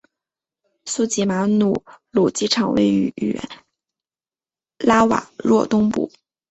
苏吉马努鲁机场位于拉瓦若东部。